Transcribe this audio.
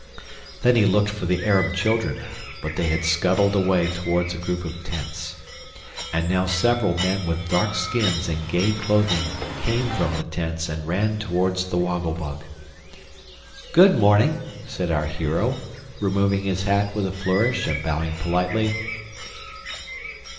Then he looked for the Arab children; but they had scuttled away towards a group of tents, and now several men with dark skins and gay clothing came from the tents and ran towards the Woggle Bug. "Good morning," said our hero, removing his hat with a flourish and bowing politely.